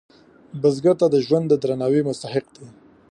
بزګر ته د ژوند د درناوي مستحق دی